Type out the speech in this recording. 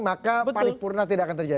maka pari purna tidak akan terjadi